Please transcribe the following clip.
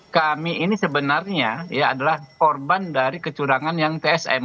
kami ini sebenarnya adalah korban dari kecurangan yang tsm